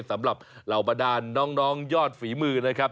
สำหรับเหล่าประดานน้องยอดฝีมือนะครับ